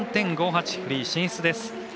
６３．５８、フリー進出です。